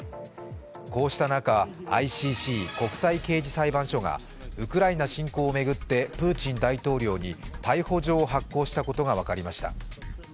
こうした中、ＩＣＣ＝国際刑事裁判所がウクライナ侵攻を巡ってプーチン大統領に逮捕状を発行したことが分かりました。